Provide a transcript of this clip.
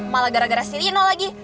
malah gara gara si lino lagi